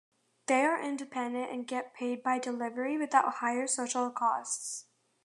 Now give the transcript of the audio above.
They are independent and get paid by delivery without higher social costs.